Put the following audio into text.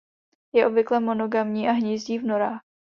Je obvykle monogamní a hnízdí v norách.